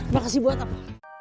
makasih buat apa